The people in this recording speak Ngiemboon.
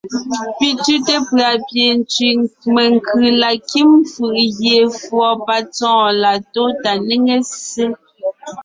Pi tʉ́te pʉ̀a pie ntsẅì menkʉ̀ la kím fʉʼ gie fùɔ patsɔ́ɔn la tó tà néŋe ssé.